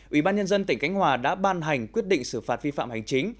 ủy ban nhân dân tỉnh cánh hòa đã ban hành quyết định xử phạt vi phạm hành chính